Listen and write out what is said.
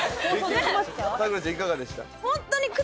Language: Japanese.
できる咲楽ちゃんいかがでした？